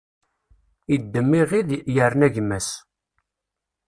Iddem iɣid, irna gma-s.